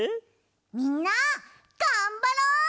みんながんばろう！